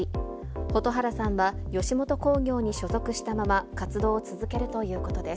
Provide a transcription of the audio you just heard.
蛍原さんは吉本興業に所属したまま活動を続けるということです。